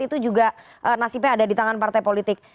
itu juga nasibnya ada di tangan partai politik